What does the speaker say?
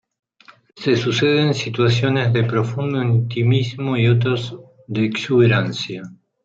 Se suceden situaciones de profundo intimismo y otros de exuberancia.